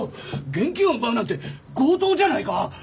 現金を奪うなんて強盗じゃないか！